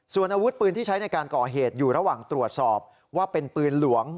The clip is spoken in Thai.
ส่วนอาวุธปืนที่ใช้ในการก่อเหตุอยู่ระหว่างตรวจสอบว่าเป็นปืนหลวง